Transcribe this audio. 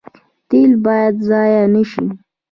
تیل باید ضایع نشي